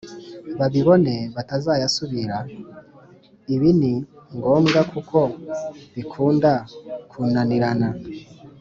babibone batazayasubira, ibini ngombwa kuko bikunda kunanirana